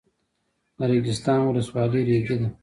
د ریګستان ولسوالۍ ریګي ده